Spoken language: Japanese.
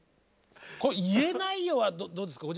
これ「言えないよ」はどうですか？